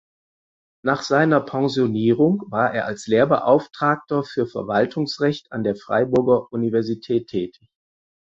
Nach seiner Pensionierung war er als Lehrbeauftragter für Verwaltungsrecht an der Freiburger Universität tätig.